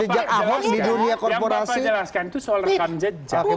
yang bapak jelaskan itu soal rekam jejak